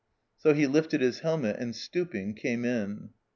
So he lifted his helmet and, stooping, came in.